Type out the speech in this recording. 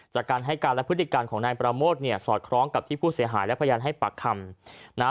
จากการให้การและพฤติการของนายประโมทเนี่ยสอดคล้องกับที่ผู้เสียหายและพยานให้ปากคำนะฮะ